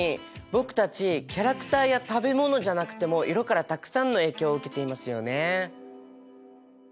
僕たちキャラクターや食べ物じゃなくても色からたくさんの影響を受けていますよね。